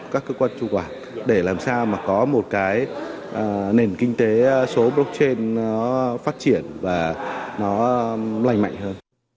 các cơ quan chủ quản để làm sao mà có một cái nền kinh tế số blockchain nó phát triển và nó lành mạnh hơn